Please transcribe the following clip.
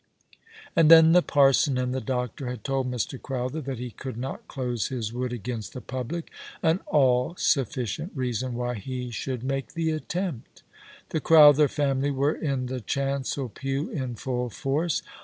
And then the parson and the doctor had told Mr. Crowther 1 68 All along the River, that he could not close his wood against the public ; an all sufficient reason why he should make the attempt. The Crowther family were in the chancel pew in full force.